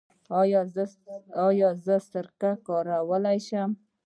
ایا زه سرکه کارولی شم؟